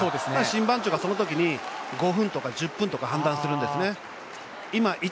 審判長がそのときに５分とか１０分とか判断するんですね。